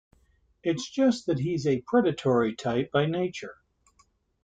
It's just that he's a predatory type by nature.